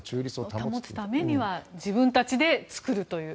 保つためには自分たちで作ると。